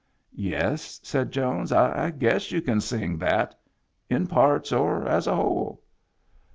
" Yes," said Jones, " I guess you can sing that — in parts or as a whole."